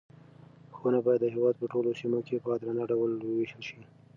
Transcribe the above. ښوونه باید د هېواد په ټولو سیمو کې په عادلانه ډول وویشل شي.